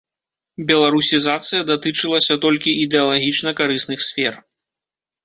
Беларусізацыя датычылася толькі ідэалагічна карысных сфер.